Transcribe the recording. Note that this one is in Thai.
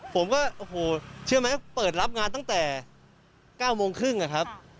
ผมก็โอ้โหเชื่อไหมเปิดรับงานตั้งแต่๙โมงครึ่งอะครับ